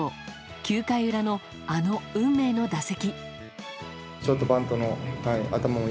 ９回裏のあの運命の打席。